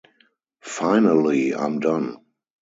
Finally, I'm done!